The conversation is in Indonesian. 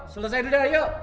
selesai dulu ayo